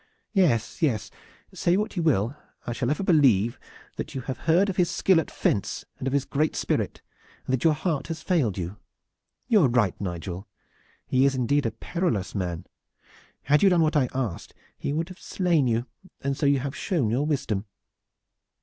Yes, yes, say what you will, I shall ever believe that you have heard of his skill at fence and of his great spirit, and that your heart has failed you! You are right, Nigel. He is indeed a perilous man. Had you done what I asked he would have slain you, and so you have shown your wisdom."